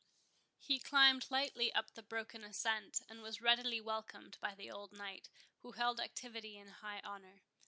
He climbed lightly up the broken ascent, and was readily welcomed by the old knight, who held activity in high honour.